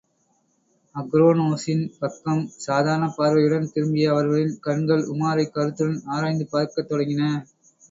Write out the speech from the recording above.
அக்ரோனோஸின் பக்கம் சாதாரணப்பார்வையுடன் திரும்பிய அவர்களின் கண்கள், உமாரைக் கருத்துடன் ஆராய்ந்து பார்க்கத் தொடங்கின.